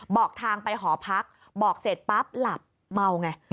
บอกทางไปหอพักบอกเสร็จปั๊บหลับเมาไง